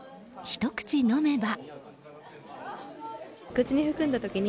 ひと口飲めば。